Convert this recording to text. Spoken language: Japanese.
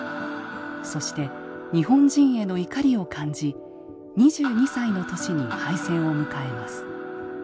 そして日本人への怒りを感じ２２歳の年に敗戦を迎えます。